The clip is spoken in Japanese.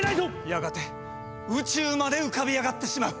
やがて宇宙まで浮かび上がってしまう。